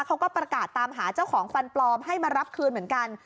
เขาก็ประกาศตามหาเจ้าของฟันปลอมให้มารับคืนเหมือนกัน